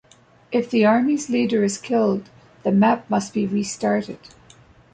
If the army's leader is killed, the map must be restarted.